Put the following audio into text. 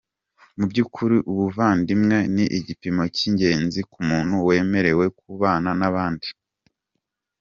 Mu by’ukuri, ubuvandimwe ni igipimo cy’ingenzi ku muntu waremewe kubana n’abandi.